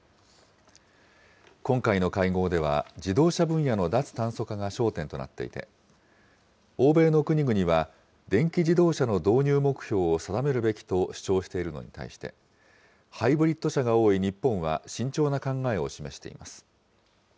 今回の会合では、自動車分野の脱炭素化が焦点となっていて、欧米の国々は、電気自動車の導入目標を定めるべきと主張しているのに対して、ハイブリッド車が多い日本は、慎重な考えを示しています。